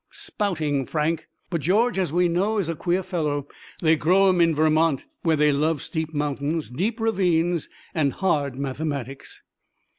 "Spouting, Frank. But George, as we know, is a queer fellow. They grow 'em in Vermont, where they love steep mountains, deep ravines and hard mathematics."